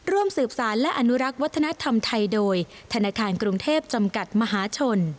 ร่วมสืบสารและอนุรักษ์วัฒนธรรมไทยโดยธนาคารกรุงเทพจำกัดมหาชน